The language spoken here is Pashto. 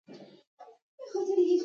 ځپنه لاپسې زیاته شوې